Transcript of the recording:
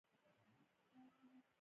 د اخوندصاحب له برکته قدرت ته رسېدلي ول.